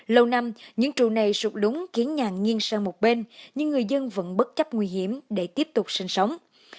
lâu năm những trụ này sụp đúng khiến nhà nghiêng sang một bên nhưng người dân vẫn bất chấp nguy hiểm để tiếp tục sinh sống